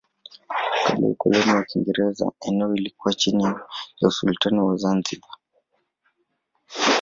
Kabla ya ukoloni wa Kiingereza eneo lilikuwa chini ya usultani wa Zanzibar.